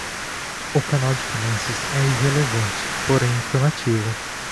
O canal de finanças é irrelevante, porém informativo